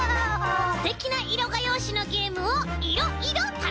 すてきないろがようしのゲームをいろいろたのしめちゃいます！